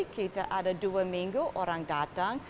kita ada dua minggu orang datang